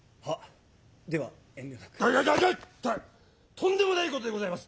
とんでもないことでございます！